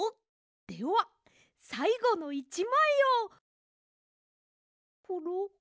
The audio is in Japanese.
ではさいごの１まいをコロ？